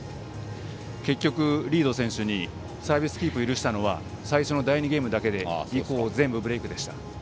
結局、リード選手にサービスキープ許したのは最初の第２ゲームだけで以降、全部ブレークでした。